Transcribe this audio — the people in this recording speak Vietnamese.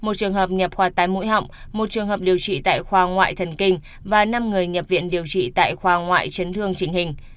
một trường hợp nhập khoa tai mũi họng một trường hợp điều trị tại khoa ngoại thần kinh và năm người nhập viện điều trị tại khoa ngoại chấn thương trình hình